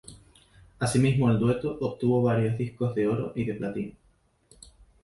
Asimismo el dueto obtuvo varios Discos de Oro y de Platino.